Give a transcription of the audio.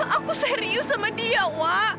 aku serius sama dia wa